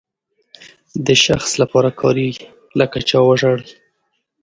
د شخص لپاره کاریږي لکه چا وژړل.